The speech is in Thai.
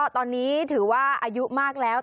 ตอนนี้ถือว่าอายุมากแล้ว